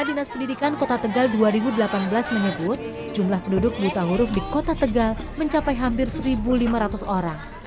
dinas pendidikan kota tegal dua ribu delapan belas menyebut jumlah penduduk buta huruf di kota tegal mencapai hampir satu lima ratus orang